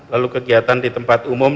lalu kegiatan di tempat umum